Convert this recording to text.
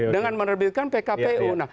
dengan menerbitkan pkpu